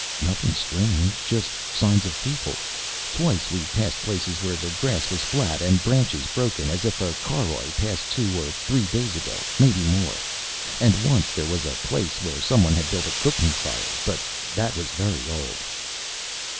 "Nothing strange, just signs of people. Twice we passed places where the grass was flat and branches broken as if a caroj passed two or three days ago, maybe more. And once there was a place where someone had built a cooking fire, but that was very old."